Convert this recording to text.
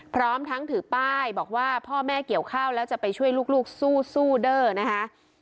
พร้อมทั้งถือป้ายบอกว่าพ่อแม่เกี่ยวข้าวแล้วจะไปช่วยลูกสู้เด้อนะคะ